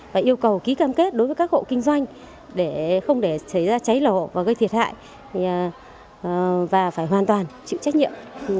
và yêu cầu ký cam kết đối với các hộ kinh doanh để không để cháy lộ và gây thiệt hại và phải hoàn toàn chịu trách nhiệm